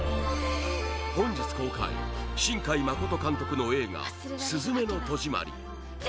本日公開新海誠監督の映画「すずめの戸締まり」